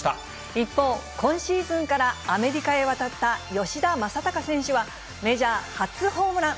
一方、今シーズンからアメリカへ渡った吉田正尚選手は、メジャー初ホームラン。